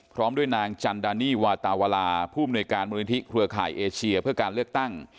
พร้อมด้วยนางจันดานี่วาตาวลาผู้มนวยการมูลนิธิเครือข่ายเอเชียเพื่อการเลือกตั้ง